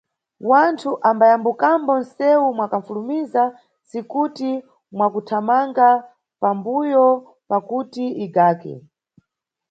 Wanthu ambayambukambo nʼsewu mwakufulumiza ntsikuti mwakuthamanga pambuyo pakuti igake.